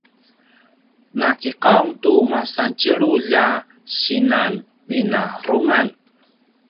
na kiqaung tu masan tjelulj a sinan vinarungan